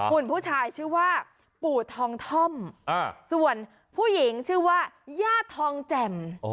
คุณผู้ชายชื่อว่าปู่ทองท่อมส่วนผู้หญิงชื่อว่าย่าทองแจ่ม